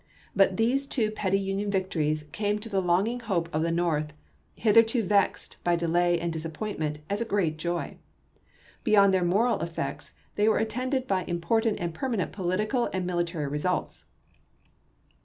But these two petty Union victories came to the longing hope of the North, hitherto vexed by de lay and disappointment, as a great joy. Beyond their moral effects, they were attended by im portant and permanent political and military Vol. IV.— 22 338 ABKAHAM LINCOLN chai'.xix. results.